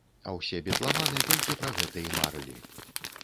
А ўсе бітламаны толькі пра гэта і марылі.